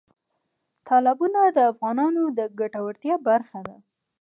تالابونه د افغانانو د ګټورتیا برخه ده.